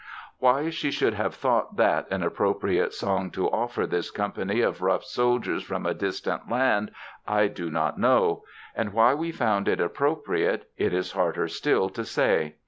Why she should have thought that an appropriate song to offer this company of rough soldiers from a distant land I do not know. And why we found it appropriate it is harder still to say.